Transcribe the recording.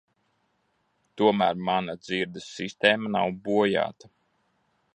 Tomēr mana dzirdes sistēma nav bojāta.